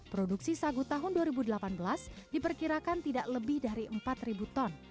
produksi sagu tahun dua ribu delapan belas diperkirakan tidak lebih dari empat ton